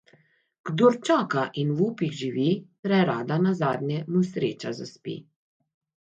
Kdor čaka in v upih živi, prerada nazadnje mu sreča zaspi.